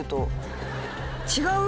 違う？